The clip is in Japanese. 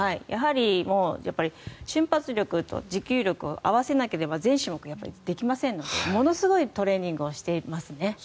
やはり、瞬発力と持久力を合わせなければ全種目できませんのでものすごいトレーニングをしていますね。